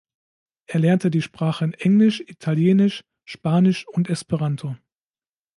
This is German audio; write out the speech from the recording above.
Er lernte die Sprachen Englisch, Italienisch, Spanisch und Esperanto.